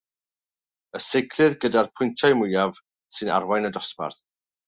Y seiclydd gyda'r pwyntiau mwyaf sy'n arwain y dosbarth.